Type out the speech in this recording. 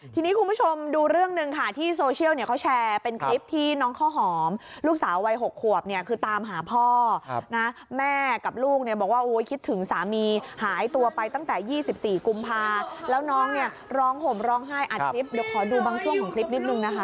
ทีนี้คุณผู้ชมดูเรื่องหนึ่งค่ะที่โซเชียลเนี่ยเขาแชร์เป็นคลิปที่น้องข้าวหอมลูกสาววัย๖ขวบเนี่ยคือตามหาพ่อนะแม่กับลูกเนี่ยบอกว่าโอ้ยคิดถึงสามีหายตัวไปตั้งแต่๒๔กุมภาแล้วน้องเนี่ยร้องห่มร้องไห้อัดคลิปเดี๋ยวขอดูบางช่วงของคลิปนิดนึงนะคะ